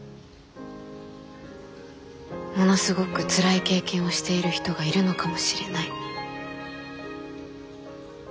ものすごくつらい経験をしている人がいるのかもしれない。